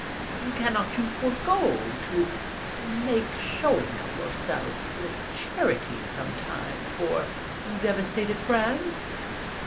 Cannot you forego to make showing of yourself with charity sometime for devastated France?